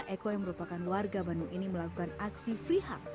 eko yang merupakan warga bandung ini melakukan aksi free hub